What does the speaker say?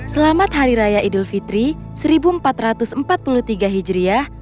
selamat hari raya idul fitri seribu empat ratus empat puluh tiga hijriah